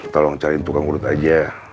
tolong cari tukang urut aja